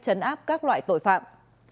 chấn áp các loại tội phạm